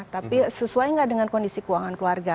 tapi sesuai nggak dengan kondisi keuangan keluarga